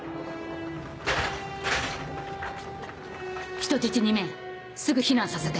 人質２名すぐ避難させて。